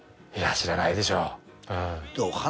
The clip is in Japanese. いや知らないでしょう。